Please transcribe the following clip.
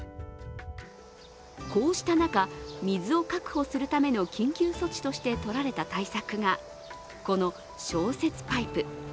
こうした中、水を確保するための緊急措置として取られた対策がこの消雪パイプ。